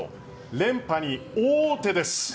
連覇に王手です。